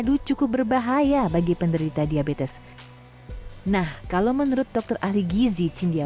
ini adalah kenyataan yang paling tidak difikirkan oleh menjual madu pada harian pma